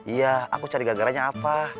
iya aku cari garanya apa